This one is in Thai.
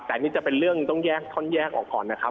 แต่อันนี้จะเป็นเรื่องต้องแยกท่อนแยกออกก่อนนะครับ